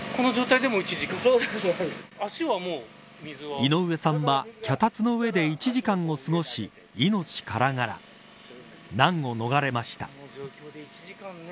井上さんは脚立の上で１時間を過ごし命からがら難を逃れました。